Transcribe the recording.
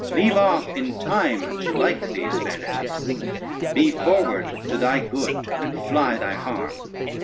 Leave off in time to like these vanities, Be forward to thy good, and fly thy harm.